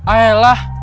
ah ya lah